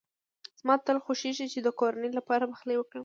زما تل خوښېږی چي د کورنۍ لپاره پخلی وکړم.